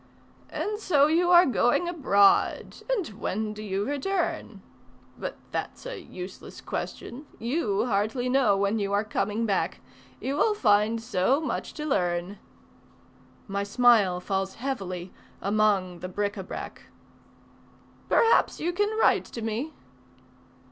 "And so you are going abroad; and when do you return? But that's a useless question. You hardly know when you are coming back, You will find so much to learn." My smile falls heavily among the bric à brac. "Perhaps you can write to me."